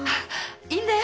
いいんだよ。